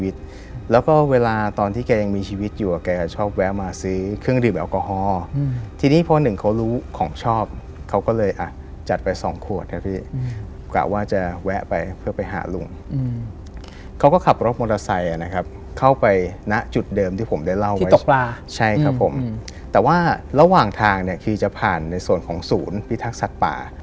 แต่ว่าระหว่างทางเนี่ยคือจะผ่านในส่วนของศูนย์พิทักษัตว์ป่า